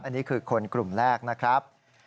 อันนี้คือคนกลุ่มแรกนะครับ